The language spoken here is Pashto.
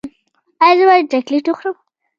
ایا زه باید چاکلیټ وخورم؟